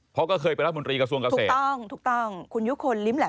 เพราะเคยไปรัฐมนตร์รีกระทรวงกเกษตร